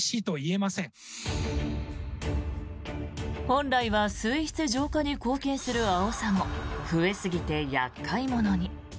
本来は水質浄化に貢献するアオサも増えすぎて厄介者に。